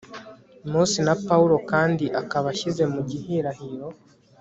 mose na pawulo kandi akaba ashyize mu gihirahiro